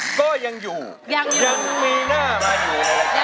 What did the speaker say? ก็ยังอยู่ยังอยู่ยังมีหน้ามาอยู่เลยยังอยู่